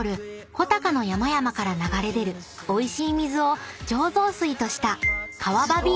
武尊の山々から流れ出るおいしい水を醸造水とした］